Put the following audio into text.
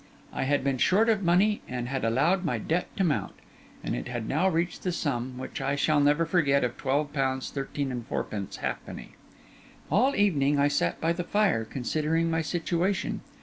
I had been short of money and had allowed my debt to mount; and it had now reached the sum, which I shall never forget, of twelve pounds thirteen and fourpence halfpenny. All evening I sat by the fire considering my situation.